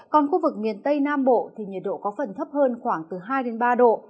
còn khu vực miền tây nam bộ thì nhiệt độ có phần thấp hơn khoảng từ hai ba độ nắng nóng xảy ra cục bộ